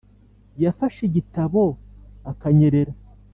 yafashe igitabo akanyerera,